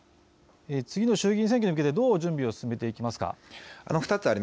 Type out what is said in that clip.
次の衆議院選挙に向けてどうやって準備を進めていきますか。